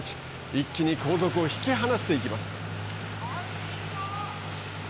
一気に後続を引き離していきます。